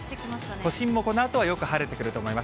都心もこのあとはよく晴れてくると思います。